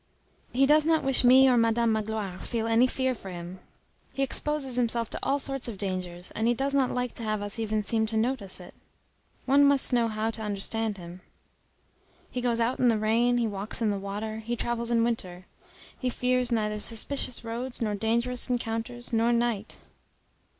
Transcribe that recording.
He does not wish me or Madame Magloire feel any fear for him. He exposes himself to all sorts of dangers, and he does not like to have us even seem to notice it. One must know how to understand him. He goes out in the rain, he walks in the water, he travels in winter. He fears neither suspicious roads nor dangerous encounters, nor night.